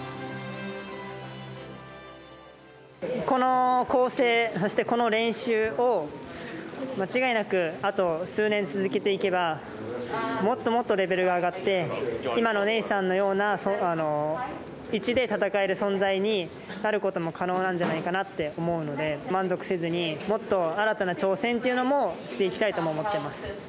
この構成そしてこの練習を間違いなくあと数年続けていけばもっともっとレベルが上がって今のネイサンのような位置で戦える存在になることも可能なんじゃないかなって思うので満足せずにもっと新たな挑戦というのもしていきたいとも思ってます。